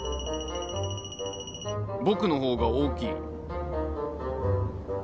僕のほうが大きい。